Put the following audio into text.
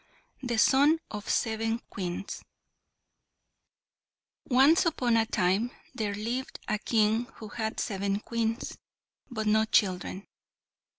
The Son of Seven Queens Once upon a time there lived a King who had seven Queens, but no children.